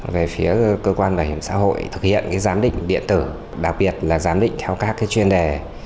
về phía cơ quan bảo hiểm xã hội thực hiện giám định điện tử đặc biệt là giám định theo các chuyên đề